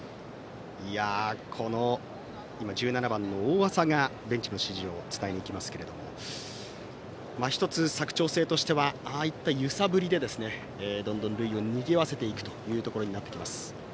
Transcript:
この１７番、大麻がベンチの指示を伝えにいきますが１つ、佐久長聖としてはああいった揺さぶりでどんどん塁をにぎわせていくということになります。